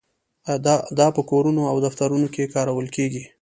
دا په کورونو او دفترونو کې کارول کیږي.